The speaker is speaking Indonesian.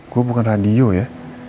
gue bukan radio ya